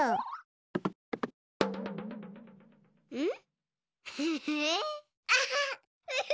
うん？